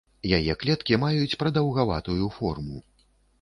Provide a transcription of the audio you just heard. Яе клеткі маюць прадаўгаватую форму.